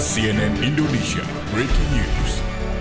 cnn indonesia breaking news